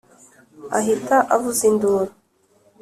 ahita avuza induru